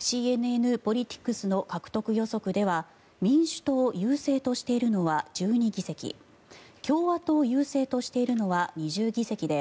ＣＮＮポリティクスの獲得予測では民主党優勢としているのは１２議席共和党優勢としているのは２０議席で